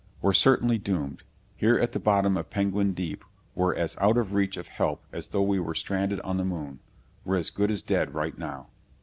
"We're certainly doomed! Here at the bottom of Penguin Deep we're as out of reach of help as though we were stranded on the moon. We're as good as dead right now."